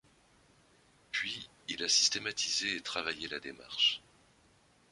Puis il a systématisé et travaillé la démarche.